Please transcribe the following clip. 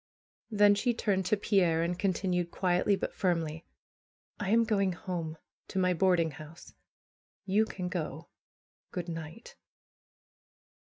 Then she turned to Pierre, and continued quietly, but firmly: "1 am going home, to my boarding house. You can go ! Good night